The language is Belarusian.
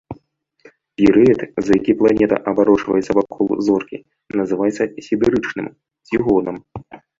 Перыяд, за які планета абарочваюцца вакол зоркі, называецца сідэрычным, ці годам.